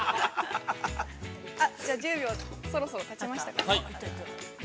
◆１０秒、そろそろたちましたか。